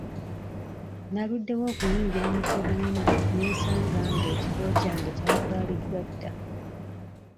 Naluddewo okuyingira mu kibiina ne nsanga nga ekifo kyange kyatwaliddwa dda.